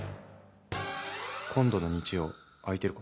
「今度の日曜空いてるか？」。